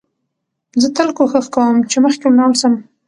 زه تل کوښښ کوم، چي مخکي ولاړ سم.